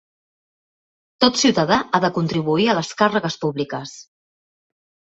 Tot ciutadà ha de contribuir a les càrregues públiques.